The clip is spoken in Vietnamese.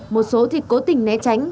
một số thì cố tình né tránh